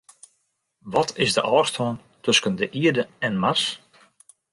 Wat is de ôfstân tusken de Ierde en Mars?